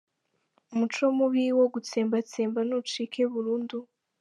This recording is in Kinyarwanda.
Umuco mubi wo gutsembatsemba nucike burundu.